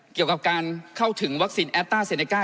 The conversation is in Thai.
เกี่ยวกับการเข้าถึงวัคซีนแอสต้าเซเนก้า